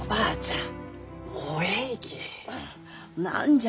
ん何じゃ？